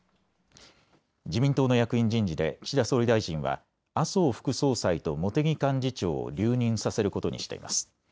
自民党の役員人事で岸田総理大臣は麻生副総裁と茂木幹事長を留任させることにしています。